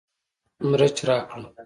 مرچ راکړه